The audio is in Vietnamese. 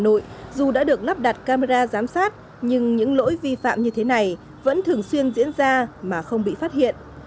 hà nội dù đã được lắp đặt camera giám sát nhưng những lỗi vi phạm như thế này vẫn thường xuyên diễn ra mà không bị phát hiện